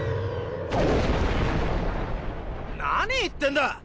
何言ってんだ！